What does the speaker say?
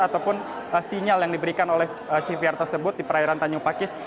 ataupun sinyal yang diberikan oleh cvr tersebut di perairan tanjung pakis